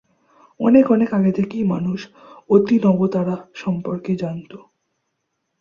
অনেক অনেক আগে থেকেই মানুষ অতিনবতারা সম্পর্কে জানত।